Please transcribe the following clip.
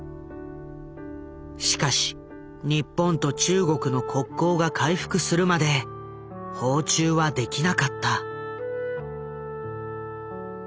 しかし日本と中国の国交が回復するまで訪中はできなかった。